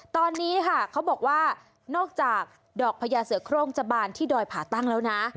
ตอนนี้ค่ะเขาบอกว่านอกจากดอกพญาเสือโครงจะบานที่ดอยผ่าตั้งแล้วนะ